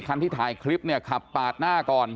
คันที่ถ่ายคลิปเนี่ยขับปาดหน้าก่อน